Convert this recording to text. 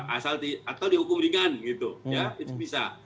asal di atau dihukum dengan gitu ya itu bisa